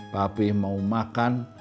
papih mau makan